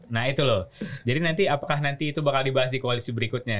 nah itu loh jadi nanti apakah nanti itu bakal dibahas di koalisi berikutnya